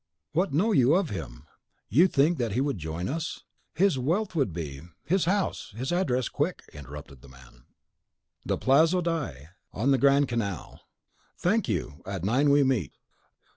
"What know you of him? Think you that he would join us? His wealth would be " "His house, his address, quick!" interrupted the man. "The Palazzo di , on the Grand Canal." "I thank you, at nine we meet."